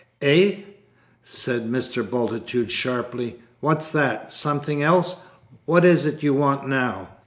"Eh?" said Mr. Bultitude, sharply, "what's that? Something else what is it you want now?"